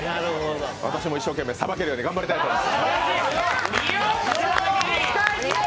私も一生懸命さばけるように頑張りたいと思います。